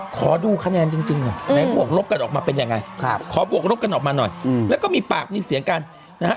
ขอดูคะแนนจริงก่อนไหนบวกลบกันออกมาเป็นยังไงขอบวกลบกันออกมาหน่อยแล้วก็มีปากมีเสียงกันนะฮะ